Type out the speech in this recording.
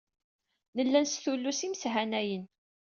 Nella nestullus imeshanayen.